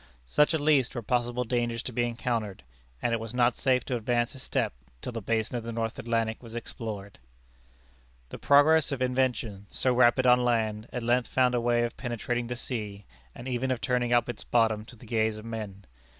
Such at least were possible dangers to be encountered; and it was not safe to advance a step till the basin of the North Atlantic was explored. The progress of invention, so rapid on land, at length found a way of penetrating the sea, and even of turning up its bottom to the gaze of men.